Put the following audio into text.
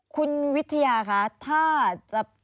คุณวิทยาคะถ้าจะ